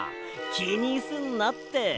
きにすんなって。